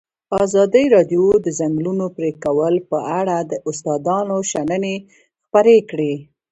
ازادي راډیو د د ځنګلونو پرېکول په اړه د استادانو شننې خپرې کړي.